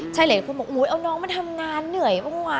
ใช่หลายคนบอกอุ๊ยเอาน้องมาทำงานเหนื่อยบ้างวะ